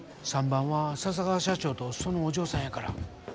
３番は笹川社長とそのお嬢さんやから。